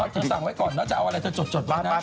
เจ้าสั่งไว้ก่อนเจ้าจะเอาอะไรเจ้าจดไปนะ